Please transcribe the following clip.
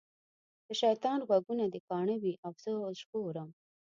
د شیطان غوږونه دي کاڼه وي او زه ژغورم.